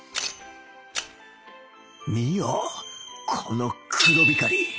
見よこの黒光り